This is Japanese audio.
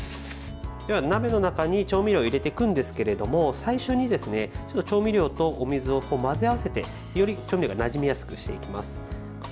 鍋の中に、調味料を入れていくんですけど最初に調味料とお水を混ぜ合わせて、より調味料がなじみやすくしていきます。